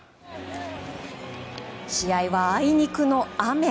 試合はあいにくの雨。